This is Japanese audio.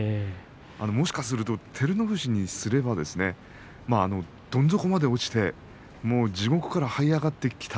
もしかすると照ノ富士にすればどん底まで落ちて地獄から、はい上がってきた。